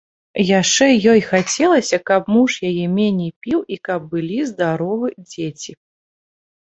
Яшчэ ёй хацелася, каб муж яе меней піў і каб былі здаровы дзеці.